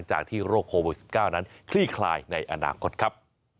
จากที่โรคโควิด๑๙นั้นคลี่คลายในอนาคตครับ